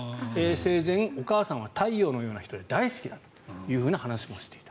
生前、お母さんは太陽のような人で大好きだという話をしていた。